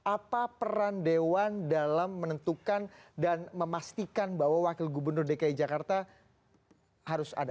apa peran dewan dalam menentukan dan memastikan bahwa wakil gubernur dki jakarta harus ada